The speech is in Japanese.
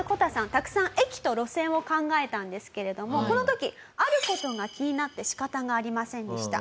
たくさん駅と路線を考えたんですけれどもこの時ある事が気になって仕方がありませんでした。